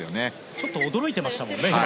ちょっと驚いてましたもんね